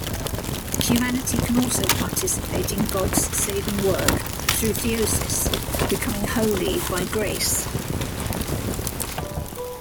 Humanity can also participate in God's saving work through theosis; becoming holy by grace.